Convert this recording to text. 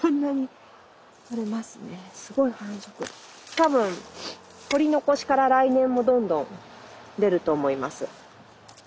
多分採り残しから来年もどんどん出ると思います。